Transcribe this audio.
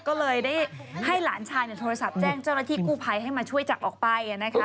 ก็เลยได้ให้หลานชายโทรศัพท์แจ้งเจ้าหน้าที่กู้ภัยให้มาช่วยจับออกไป